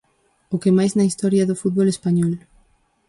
O que máis na historia do fútbol español.